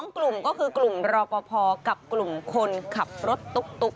๒กลุ่มก็คือกลุ่มรอปภกับกลุ่มคนขับรถตุ๊ก